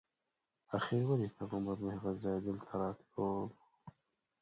آخر ولې پیغمبر له هغه ځایه دلته راتللو.